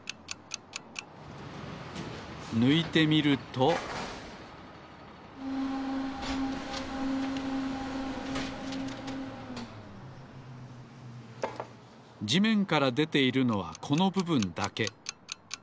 ぬいてみるとじめんからでているのはこのぶぶんだけ。